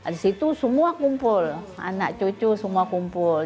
di situ semua kumpul anak cucu semua kumpul